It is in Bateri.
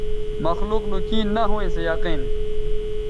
مخلوق نو کیں نہ ھویں سو یقین